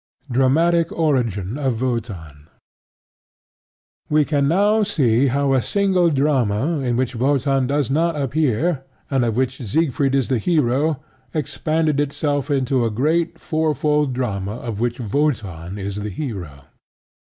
DRAMATIC ORIGIN OF WOTAN We can now see how a single drama in which Wotan does not appear, and of which Siegfried is the hero, expanded itself into a great fourfold drama of which Wotan is the hero.